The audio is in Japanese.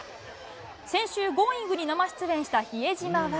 先週、Ｇｏｉｎｇ！に生出演した比江島は、